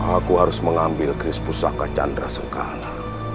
aku harus mengambil krispus saka chandra sengkala